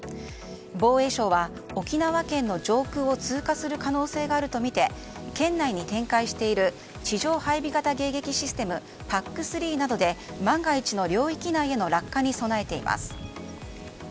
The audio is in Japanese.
防衛省は沖縄県の上空を通過する可能性があるとみて県内に展開している地上配備型迎撃システムＰＡＣ３などで万が一の領域内への落下に備えています。